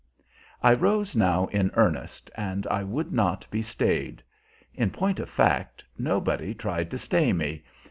I rose now in earnest, and I would not be stayed. In point of fact, nobody tried to stay me.